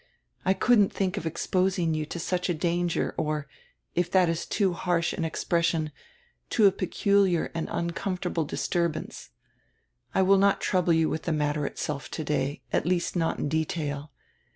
I couldn't think of exposing you to such a danger, or — if that is too harsh an expression — to such a peculiar and uncomfortable dis turbance. I will not trouble you with the matter itself today, at least not in detail.